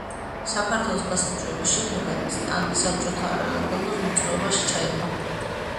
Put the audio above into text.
საქართველოს გასაბჭოების შემდეგ ანტისაბჭოთა არალეგალურ მოძრაობაში ჩაება.